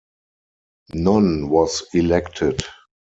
None was elected.